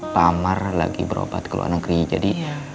tamar lagi berobat keluar negeri jadi